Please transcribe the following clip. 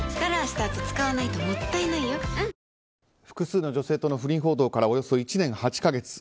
複数の女性との不倫報道からおよそ１年８か月。